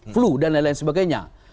flu dan lain lain sebagainya